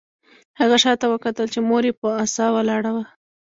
هغه شاته وکتل چې مور یې په عصا ولاړه وه